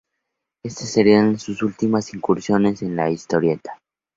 Estas serían sus últimas incursiones en la historieta.